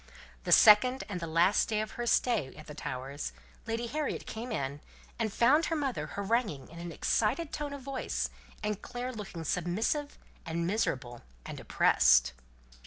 The second and the last day of her stay at the Towers, Lady Harriet came in, and found her mother haranguing in an excited tone of voice, and Clare looking submissive and miserable and oppressed.